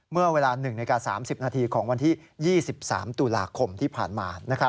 เมื่อเวลา๑นาที๓๐นาทีของวันที่๒๓ตุลาคมที่ผ่านมา